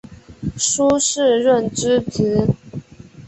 苏士润之侄。